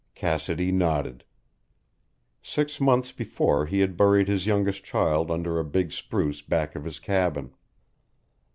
Cassidy nodded. Six months before he had buried his youngest child under a big spruce back of his cabin.